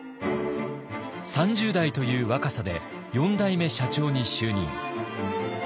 ３０代という若さで４代目社長に就任。